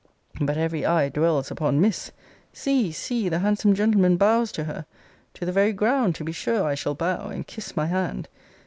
But every eye dwells upon Miss! See, see, the handsome gentleman bows to her! To the very ground, to be sure, I shall bow; and kiss my hand.